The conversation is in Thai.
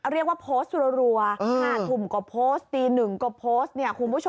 เรียกว่าโพสต์รัว๕ทุ่มกว่าโพสต์ตี๑กว่าโพสต์เนี่ยคุณผู้ชม